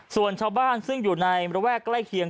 ส่วนชาวบ้านซึ่งอยู่ในระแวกใกล้เคียง